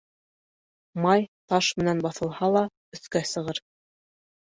Май таш менән баҫылһа ла өҫкә сыға.